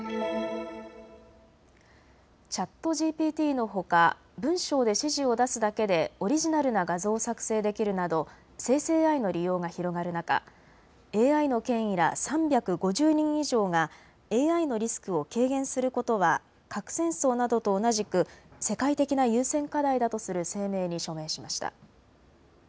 ＣｈａｔＧＰＴのほか文章で指示を出すだけでオリジナルな画像を作成できるなど生成ＡＩの利用が広がる中、ＡＩの権威ら３５０人以上がＡＩのリスクを軽減することは核戦争などと同じく世界的な優先課題だとする声明に署名しました。